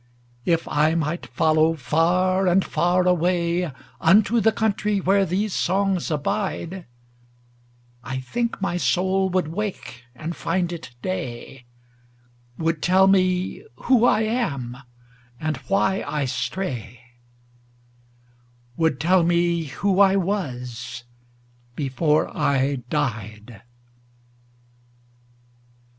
If I might follow far and far awayUnto the country where these songs abide,I think my soul would wake and find it day, Would tell me who I am, and why I stray,—Would tell me who I was before I died.